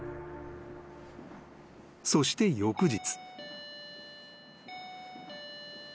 ［そして翌日］